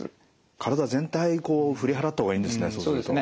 体全体振り払った方がいいんですね。